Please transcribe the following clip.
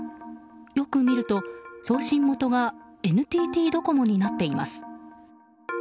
よく見ると送信元がＮＴＴドコモになっています。